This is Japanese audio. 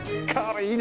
いいね